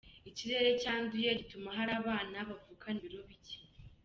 Ikirere cyanduye gituma hari abana bavukana ibilo bike